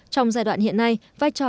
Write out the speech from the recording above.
trong giai đoạn hiện nay vai trò